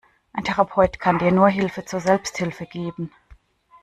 Ein Therapeut kann dir nur Hilfe zur Selbsthilfe geben.